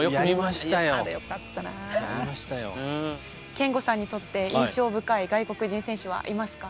憲剛さんにとって印象深い外国人選手はいますか？